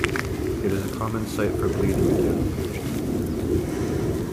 It is a common site for bleeding in young people.